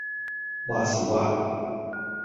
話時話